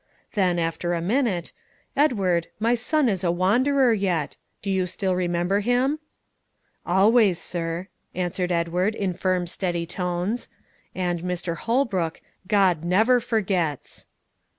Then, after a minute, "Edward, my son is a wanderer yet: do you still remember him?" "Always, sir," Edward answered, in firm, steady tones; "and, Mr. Holbrook, God never forgets!"